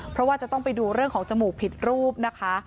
เพราะว่าจะต้องไปดูเรื่องของจมูกผิดรูปนะคะ